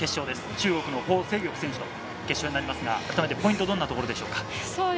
中国のホウ倩玉選手と決勝になりますが、改めてポイント、どんなところでしょうか。